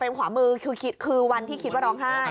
ขวามือคือวันที่คิดว่าร้องไห้